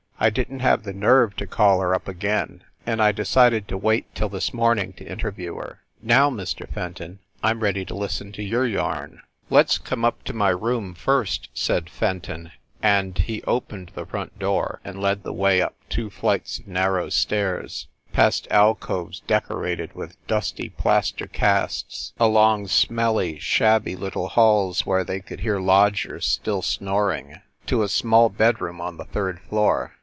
I didn t have the nerve to call her up again and I de cided to wait till this morning to interview her. Now, Mr. Fenton, I m ready to listen to your yarn." "Let s come up to my room first," said Fenton, and he opened the front door and led the way up two flights of narrow stairs, past alcoves decorated with dusty plaster casts, along smelly, shabby little halls where they could hear lodgers still snoring, to a A HARLEM LODGING HOUSE 307 small bedroom on the third floor.